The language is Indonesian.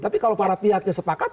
tapi kalau para pihaknya sepakat